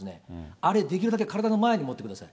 あれ、できるだけ体の前に持ってください。